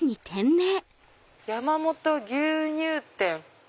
「山本牛乳店」。